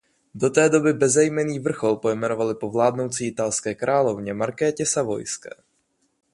Do té doby bezejmenný vrchol pojmenovali po vládnoucí italské královně Markétě Savojské.